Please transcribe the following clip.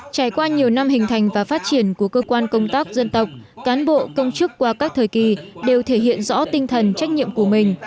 trải qua nhiều năm hình thành và phát triển của cơ quan công tác dân tộc cán bộ công chức qua các thời kỳ đều thể hiện rõ tinh thần trách nhiệm của mình